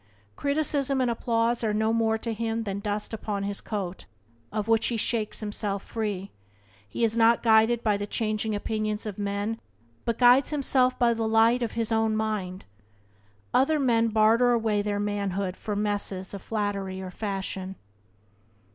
Criticism and applause are no more to him than the dust upon his coat, of which he shakes himself free. He is not guided by the changing opinions of men but guides himself by the light of his own mind. Other men barter away their manhood for messes of flattery or fashion.